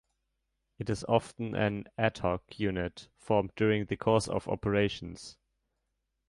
It is often an "ad hoc" unit, formed during the course of operations.